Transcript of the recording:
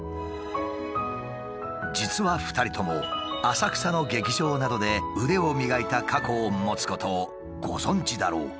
実は２人とも浅草の劇場などで腕を磨いた過去を持つことをご存じだろうか？